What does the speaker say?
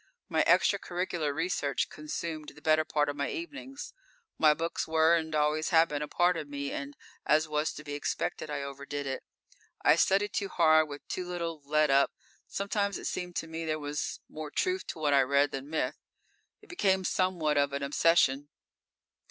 My extracurricular research consumed the better part of my evenings. My books were and always have been a part of me, and as was to be expected, I overdid it. I studied too hard with too little let up. Sometimes it seemed to me there was more truth to what I read than myth. It became somewhat of an obsession.